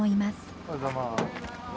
おはようございます。